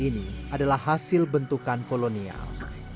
ini adalah hasil bentukan kolonial